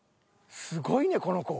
すごいねこの子。